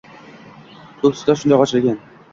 Ko‘k tusida shundoq ochilgan.